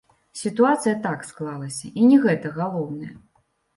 Сітуацыя так склалася, і не гэта галоўнае.